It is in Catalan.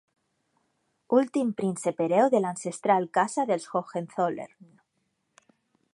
Últim príncep hereu de l'ancestral casa dels Hohenzollern.